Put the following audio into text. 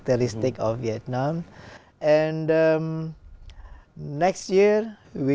nhưng tôi nghĩ